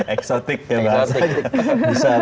eksotik ya bahasanya